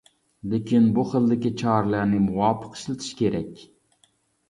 لېكىن بۇ خىلدىكى چارىلەرنى مۇۋاپىق ئىشلىتىش كېرەك.